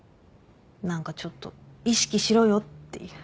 何かちょっと意識しろよっていう。